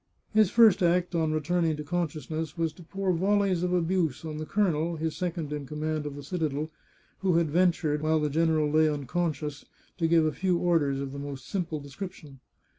His first act on returning to consciousness was to pour volleys of abuse on the colonel, his second in command of the citadel, who had ventured, while the gen eral lay unconscious, to give a few orders of the most simple description.